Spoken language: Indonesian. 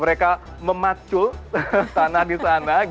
mereka memacu tanah di sana